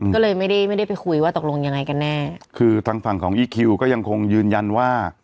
ก็เลยไม่ได้ไม่ได้ไปคุยว่าตกลงยังไงกันแน่คือทางฝั่งของอีคคิวก็ยังคงยืนยันว่า